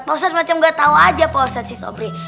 pausat macam gak tau aja pausat si sobri